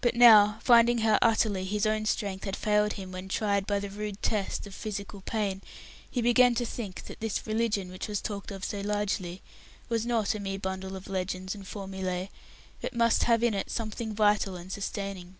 But now, finding how utterly his own strength had failed him when tried by the rude test of physical pain, he began to think that this Religion which was talked of so largely was not a mere bundle of legend and formulae, but must have in it something vital and sustaining.